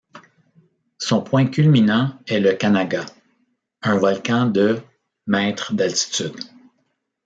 Son point culminant est le Kanaga, un volcan de mètres d'altitude.